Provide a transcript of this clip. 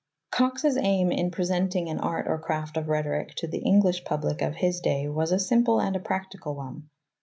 Cox's aim in presenting an Art or Craft of Rhetoric to the Eng lish public of his day was a simple and practical one.